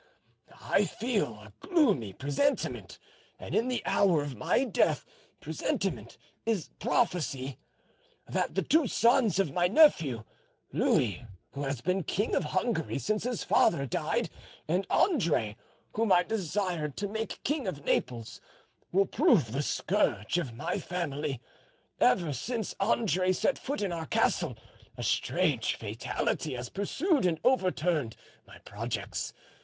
I feel a gloomy presentiment—and in the hour of death presentiment is prophecy—that the two sons of my nephew, Louis, who has been King of Hungary since his father died, and Andre, whom I desired to make King of Naples, will prove the scourge of my family. Ever since Andre set foot in our castle, a strange fatality has pursued and overturned my projects.